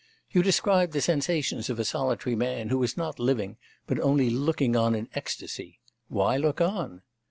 You describe the sensations of a solitary man, who is not living but only looking on in ecstasy. Why look on?